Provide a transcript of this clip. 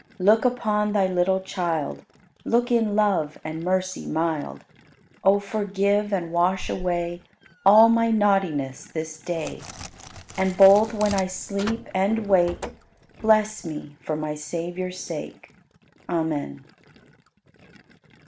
Look upon Thy little child, Look in love and mercy mild. O forgive and wash away All my naughtiness this day, And both when I sleep and wake Bless me for my Savior's sake. Amen.